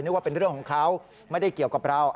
ว่าเป็นเรื่องของเขาไม่ได้เกี่ยวกับเรา